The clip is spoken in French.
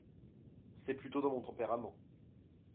C’est plutôt dans mon tempérament.